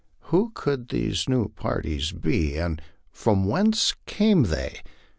Who could these new parties be, and from whence came they?